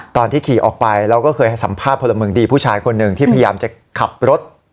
ตอนที่ขี่ออกไปเราก็เคยให้สัมภาษณ์พลเมืองดีผู้ชายคนหนึ่งที่พยายามจะขับรถ